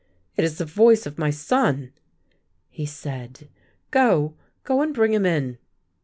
" It is the voice of my son,'' he said. '* Go — go, and bring him in."